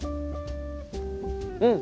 うん！